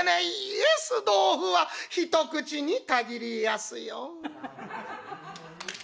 「いいえ酢豆腐は一口に限りやすよ」。